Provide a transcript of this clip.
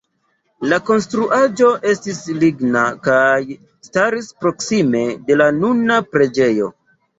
La konstruaĵo estis ligna kaj staris proksime de la nuna preĝejo.